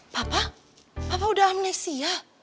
papa papa udah amnesia